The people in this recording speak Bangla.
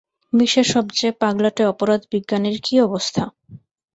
বিশ্বের সবচেয়ে পাগলাটে অপরাধ বিজ্ঞানীর কী অবস্থা?